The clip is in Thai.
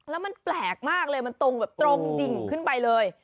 แล้วมันแปลกมากเลยมันตรงแบบตรงดิ่งขึ้นไปเลย